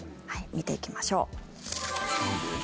見ていきましょう。